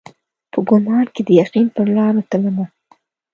په ګمان کښي د یقین پرلارو تلمه